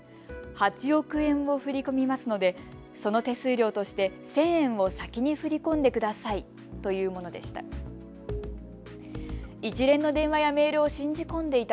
８億円を振り込みますのでその手数料として１０００円を先に振り込んでくださいというものでした。